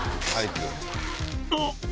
あっ！